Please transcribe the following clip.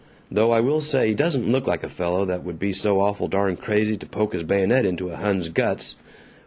Though I will say he doesn't look like a fellow that would be so awful darn crazy to poke his bayonet into a Hun's guts."